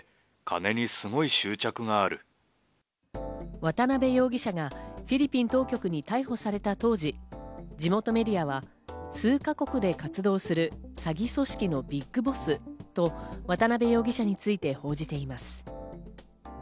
渡辺容疑者がフィリピン当局に逮捕された当時、地元メディアは数か国で活動する詐欺組織のビッグボスと渡辺容疑者について報じています。